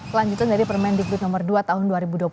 lanjutan dari permendikbud nomor dua tahun dua ribu dua puluh satu